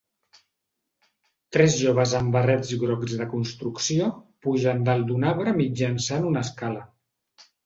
Tres joves amb barrets grocs de construcció pugen dalt d'un arbre mitjançant una escala.